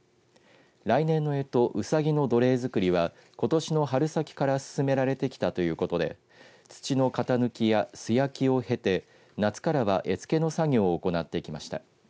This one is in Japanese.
来年のえとうさぎの土鈴作りはことしの春先から進められてきたということで土の型抜きや素焼きを経て夏からは絵つけの作業を行ってきました。